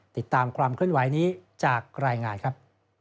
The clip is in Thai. ติดตามความเคลื่อนไหวนี้จากรายงานครับ